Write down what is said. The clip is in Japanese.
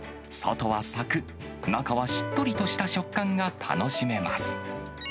外はさくっ、中はしっとりとした食感が楽しめます。